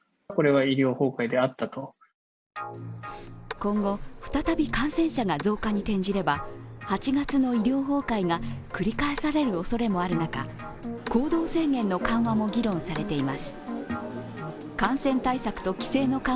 今後再び感染者が増加に転じれば、８月の医療崩壊が繰り返されるここからは行動制限の緩和とその課題について見ていきます。